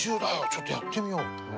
ちょっとやってみよう。